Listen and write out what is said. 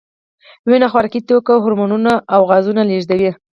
وینه خوراکي توکي، هورمونونه او غازونه لېږدوي.